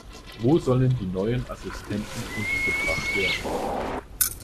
Wo sollen die neuen Assistenten untergebracht werden?